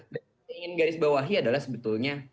dan yang ingin garis bawahi adalah sebetulnya